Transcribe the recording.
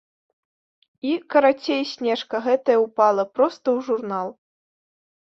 І, карацей, снежка гэтая ўпала проста ў журнал.